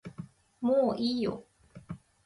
もういいよ